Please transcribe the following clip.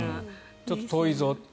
ちょっと遠いぞ。